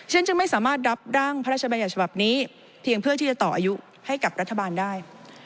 จึงไม่สามารถรับร่างพระราชบัญญัติฉบับนี้เพียงเพื่อที่จะต่ออายุให้กับรัฐบาลได้